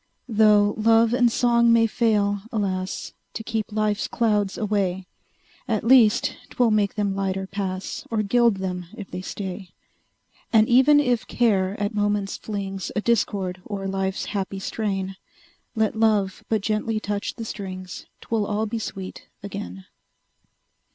Tho' love and song may fail, alas! To keep life's clouds away, At least 'twill make them lighter pass, Or gild them if they stay. And even if Care at moments flings A discord o'er life's happy strain, Let Love but gently touch the strings, 'Twill all be sweet again!